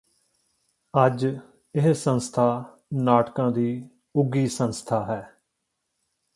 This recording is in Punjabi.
ਅੱਜ ਇਹ ਸੰਸਥਾ ਨਾਟਕਾਂ ਦੀ ਉੱਘੀ ਸੰਸਥਾ ਹੈ